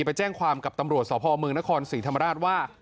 ไปแจ้งความกับตำรวจสพเมืองนครศรีธรรมราชว่า